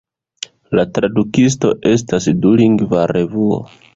La Tradukisto estas dulingva revuo.